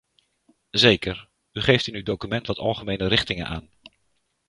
Zeker, u geeft in uw document wat algemene richtingen aan.